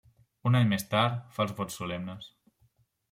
Un any més tard, fa els vots solemnes.